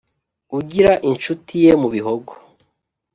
Ugira inshuti ye mu Bihogo